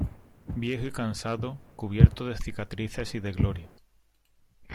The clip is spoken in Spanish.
viejo y cansado, cubierto de cicatrices y de gloria ,